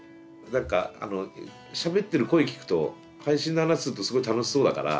なんかしゃべってる声聞くと配信の話するとすごい楽しそうだから。